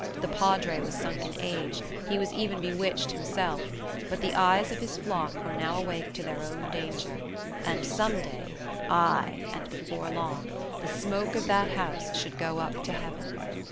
The Padre was sunk in age; he was even bewitched himself; but the eyes of his flock were now awake to their own danger; and some day—ay, and before long—the smoke of that house should go up to heaven.